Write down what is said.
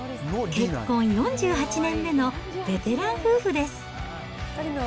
結婚４８年目のベテラン夫婦です。